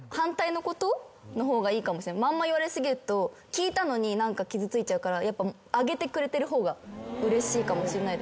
まんま言われ過ぎると聞いたのに傷ついちゃうからやっぱ上げてくれてる方がうれしいかもしんないです。